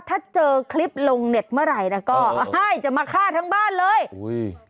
ถ้าเจอคลิปลงเน็ตเมื่อไหร่นะก็ให้จะมาฆ่าทั้งบ้านเลยอุ้ย